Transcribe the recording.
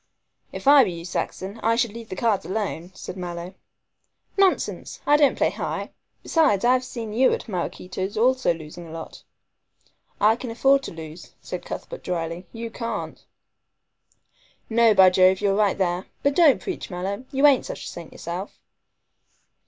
"If I were you, Saxon, I should leave cards alone," said Mallow. "Nonsense! I don't play high. Besides, I have seen you at Maraquito's also losing a lot." "I can afford to lose," said Cuthbert dryly, "you can't." "No, by Jove, you're right there. But don't preach, Mallow, you ain't such a saint yourself."